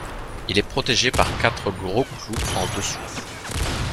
Il est protégé par quatre gros clous en dessous.